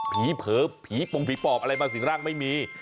เผลอผีปงผีปอบอะไรมาสิ่งร่างไม่มี